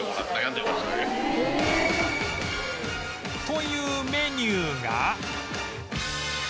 というメニューが